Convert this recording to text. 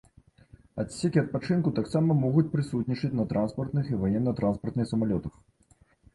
Адсекі адпачынку таксама могуць прысутнічаць на транспартных і ваенна-транспартных самалётах.